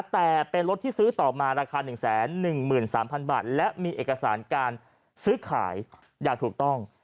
แต่เป็นรถที่ซื้อต่อมาราคา๑๑๓๐๐๐บาทและมีเอกสารการซื้อขายอย่างถูกต้อง